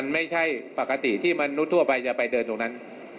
ไม่ใช่ปกติที่มนุษย์ทั่วไปจะไปเดินตรงนั้น